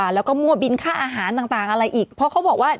แล้วก็มั่วบินค่าอาหารต่างอะไรอีกเพราะเขาบอกว่า